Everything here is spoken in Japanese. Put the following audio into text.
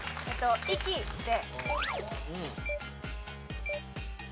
「息」で。